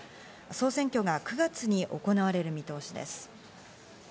総選挙が９月に行われる見通しです。